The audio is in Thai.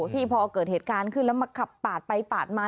ที่พอเกิดเหตุการณ์ขึ้นแล้วมาขับปาดไปปาดมา